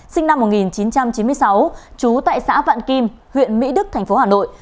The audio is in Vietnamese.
sinh năm một nghìn chín trăm chín mươi sáu trú tại xã vạn kim huyện mỹ đức thành phố hà nội